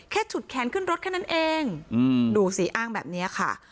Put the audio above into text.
ฉุดแขนขึ้นรถแค่นั้นเองดูสิอ้างแบบนี้ค่ะ